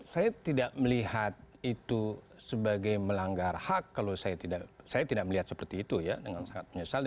saya tidak melihat itu sebagai melanggar hak kalau saya tidak melihat seperti itu ya dengan sangat menyesal